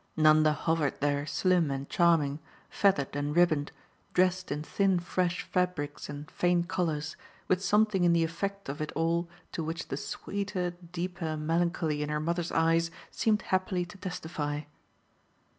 Nanda hovered there slim and charming, feathered and ribboned, dressed in thin fresh fabrics and faint colours, with something in the effect of it all to which the sweeter deeper melancholy in her mother's eyes seemed happily to testify.